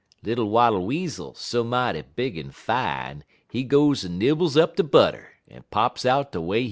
Little Wattle Weasel, so mighty big en fine, he goes en nibbles up de butter, en pops out de way he come in.